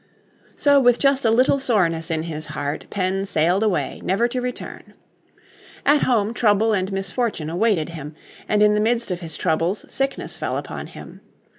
So with just a little soreness in his heart Penn sailed away never to return. At home trouble and misfortune awaited him. And in the midst of his troubles sickness fell upon him.